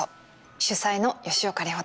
主宰の吉岡里帆です。